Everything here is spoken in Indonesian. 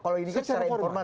kalau ini secara informal